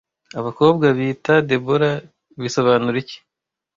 Abakobwa bita Debora bisobanura iki